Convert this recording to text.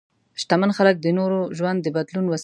شتمن خلک د نورو ژوند د بدلون وسیله وي.